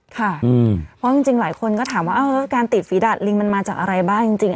ค่ะเพราะจริงหลายคนก็ถามว่าแล้วการติดฝีดาดลิงมันมาจากอะไรบ้างจริง